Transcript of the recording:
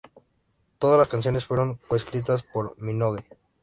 Todas las canciones fueron coescritas por Minogue.